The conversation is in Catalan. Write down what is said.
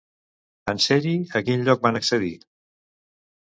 En ser-hi, a quin lloc van accedir?